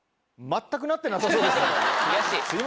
悔しい。